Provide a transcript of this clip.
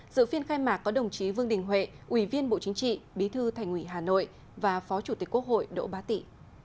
dự phiên khai mạc có đồng chí vương đình huệ ủy viên bộ chính trị bí thư thành ủy hà nội và phó chủ tịch quốc hội đỗ bá tị